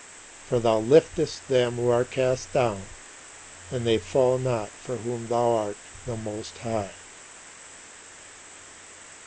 For thou liftest them who are cast down and they fall not for whom thou art the Most High.